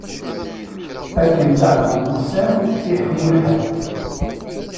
Akken ttɛeddin wussan i iḥemmu lḥal.